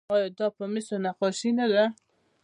آیا دا په مسو نقاشي نه ده؟